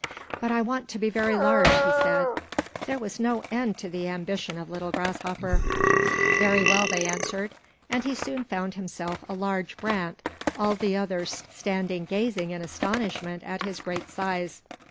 "But I want to be very large," he said. There was no end to the ambition of little Grasshopper. "Very well," they answered, and he soon found himself a large brant, all the others standing gazing in astonishment at his great size.